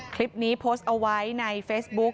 คลิปนี้โพสต์เอาไว้ในเฟซบุ๊ก